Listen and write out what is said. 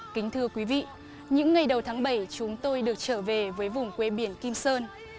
kính thưa quý vị những ngày đầu tháng bảy chúng tôi được trở về với vùng quê biển kim sơn